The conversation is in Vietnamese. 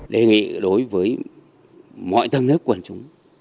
đề nghị đối với mọi tân nước quần chúng